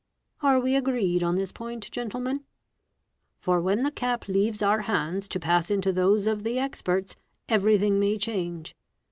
Are we agreed on this point, gentlemen? For when he cap leaves our hands to pass into those of the experts, everything nay change.